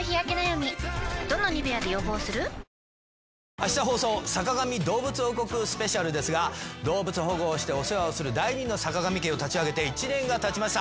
あした放送『坂上どうぶつ王国』スペシャルですが動物保護をしてお世話をする第２のさかがみ家を立ち上げて１年がたちました。